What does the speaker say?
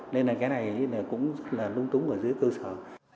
nên là cái này cũng là lung tung ở dưới cơ sở